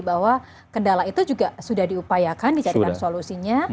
bahwa kendala itu juga sudah diupayakan dicarikan solusinya